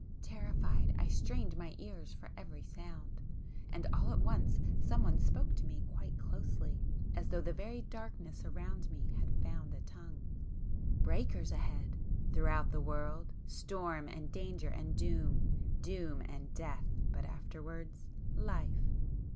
Terrified, I strained my ears for every sound,—and all at once some one spoke to me quite closely, as though the very darkness around me had found a tongue. "Breakers ahead! Throughout the world, storm and danger and doom! Doom and Death!—but afterwards—Life!"